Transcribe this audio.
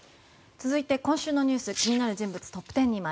続いて、今週のニュース気になる人物トップ１０。